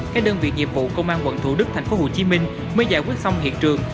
các đơn vị nhiệm vụ công an quận thủ đức thành phố hồ chí minh mới giải quyết xong hiện trường